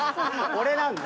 俺なんだ。